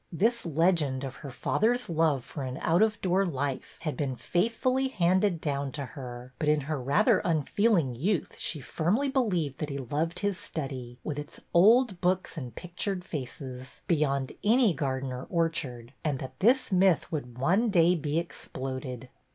This legend of her father's love for an out of door life had been faithfully handed down to her, but in her rather unfeeling youth she firmly believed that he loved his study, with its old books and pictured faces, beyond any garden or orchard, and that this myth would one day be exploded.